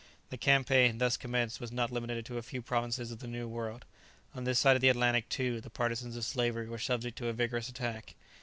The campaign, thus commenced, was not limited to a few provinces of the New World; on this side of the Atlantic, too, the partisans of slavery were subject to a vigourous attack.